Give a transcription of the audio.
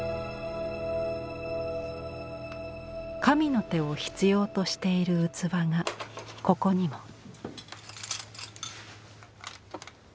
神の手を必要としている器がここにも。